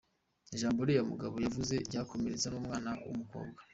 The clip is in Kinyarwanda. Ijambo uriya mugabo yavuze ryakomeretsa n’ umwana w’ umukobwa”.